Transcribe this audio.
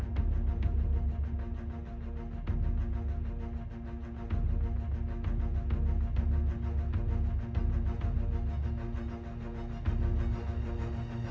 สวัสดีสวัสดีสวัสดีสวัสดีสวัสดีสวัสดีสวัสดีสวัสดี